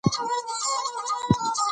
پوهه هغه وخت معنا لري چې دمهربانۍ لامل شي